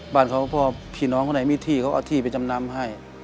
บ้านเขาพ่อพี่น้องคนไหนมีที่เขาเอาที่ไปจำนำให้